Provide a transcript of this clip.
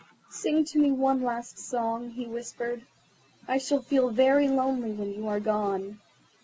"Sing me one last song," he whispered; "I shall feel very lonely when you are gone."